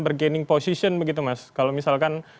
ber gaining position begitu mas kalau misalkan